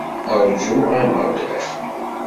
Rǧu Ameɣlal!